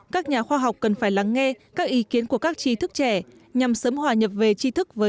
các nhà khoa học cần phải lắng nghe các ý kiến của các nhà khoa học